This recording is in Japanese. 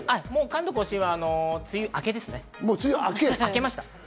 関東甲信はもう梅雨明けですね、明けました。